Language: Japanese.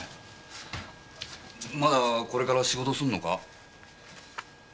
まだこれから仕事すんのか？